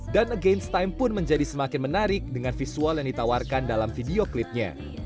dan against time pun menjadi semakin menarik dengan visual yang ditawarkan dalam video klipnya